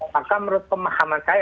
maka menurut pemahaman saya